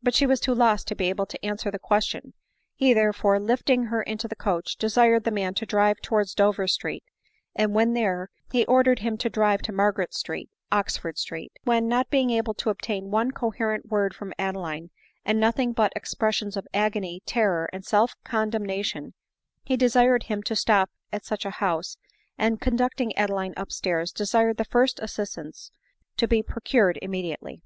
But she was too lost to be able to answer the question; he, therefore, lifting her into the coach, desired the man to drive towards Dover street ; and when there, he or dered him to drive to Margaret street, Oxford street; when, not being able to obtain one coherent word from Adeline, and nothing but expressions of agony,, terror, and self condemnation, he desired him to stop at such a house, and, conducting Adeline up stairs, desired the first assistance to be procured immediately.